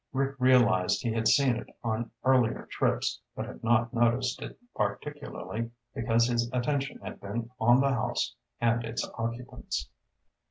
Rick realized he had seen it on earlier trips, but had not noticed it particularly because his attention had been on the house and its occupants.